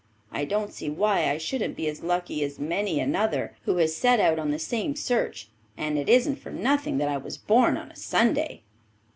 I don't see why I shouldn't be as lucky as many another who has set out on the same search, and it wasn't for nothing that I was born on a Sunday.